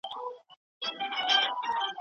موږ کلکين اندازه کوو.